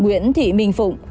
nguyễn thị minh phụng